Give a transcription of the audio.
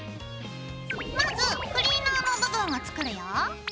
まずクリーナーの部分を作るよ。